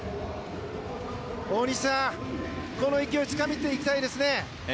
大西さん、この勢いつかんでいきたいですね。